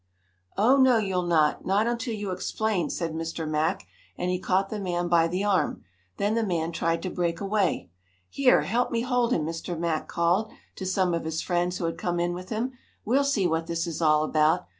"Oh, no, you'll not not until you explain," said Mr. Mack, and he caught the man by the arm. Then the man tried to break away. "Here, help me hold him!" Mr. Mack called to some of his friends who had come in with him. "We'll see what this is all about.